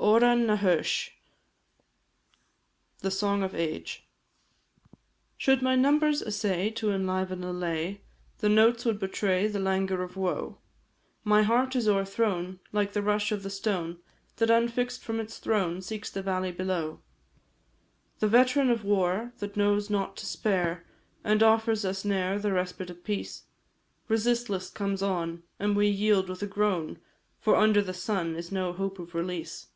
ORAN NA H AOIS, THE SONG OF AGE. Should my numbers essay to enliven a lay, The notes would betray the languor of woe; My heart is o'erthrown, like the rush of the stone That, unfix'd from its throne, seeks the valley below. The veteran of war, that knows not to spare, And offers us ne'er the respite of peace, Resistless comes on, and we yield with a groan, For under the sun is no hope of release.